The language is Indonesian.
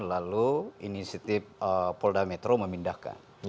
lalu inisiatif polda metro memindahkan